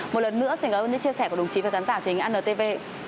một lần nữa xin cảm ơn chia sẻ của đồng chí và khán giả của hình ảnh antv